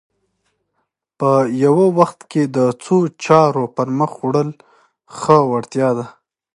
په یوه وخت کې د څو چارو پر مخ وړل ښه وړتیا ده